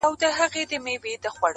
تور بخمل غوندي ځلېږې سر تر نوکه!!